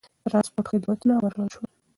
ترانسپورت خدمتونه ورکړل شول.